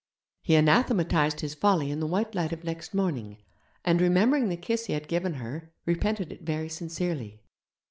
He anathematized his folly in the white light of next morning, and, remembering the kiss he had given her, repented it very sincerely.